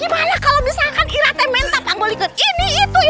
gimana kalau misalkan irat yang mentah panggol ikut ini itu